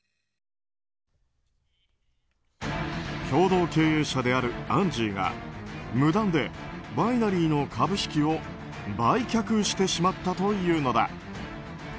共同経営者であるアンジーが無断でワイナリーの株式を売却してしまったというのだ。